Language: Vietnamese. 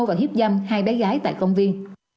và hiếp dâm hai bé gái tại công viên